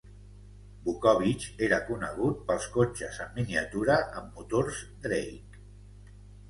Vukovich era conegut pels cotxes en miniatura amb motors Drake.